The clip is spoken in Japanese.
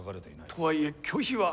とはいえ拒否は。